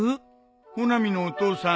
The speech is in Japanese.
穂波のお父さん。